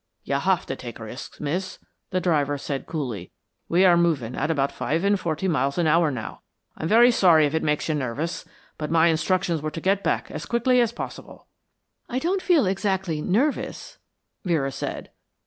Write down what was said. "You have to take risks, miss," the driver said coolly. "We are moving at about five and forty miles an hour now. I'm very sorry if it makes you nervous, but my instructions were to get back as quickly as possible." "I don't feel exactly nervous," Vera said.